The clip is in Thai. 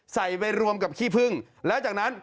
ใส่ไปรวมกับขี้พึ่งแล้วจากนั้น